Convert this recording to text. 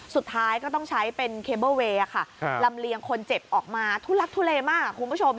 สุดท้ายก็ต้องใช้เป็นเคเบิลเวย์ค่ะลำเลียงคนเจ็บออกมาทุลักทุเลมากคุณผู้ชม